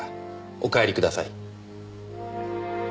お帰りください。